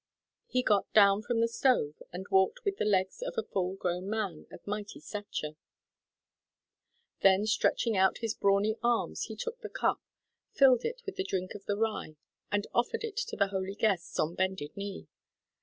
He got down from the stove and walked with the legs of a full grown man of mighty stature. Then stretching out his brawny arms he took the cup, filled it with the drink of the rye, and offered it to the holy guests on bended knee.